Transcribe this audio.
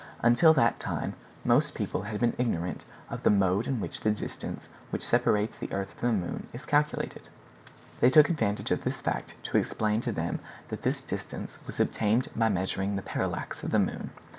Until that time most people had been ignorant of the mode in which the distance which separates the moon from the earth is calculated. They took advantage of this fact to explain to them that this distance was obtained by measuring the parallax of the moon.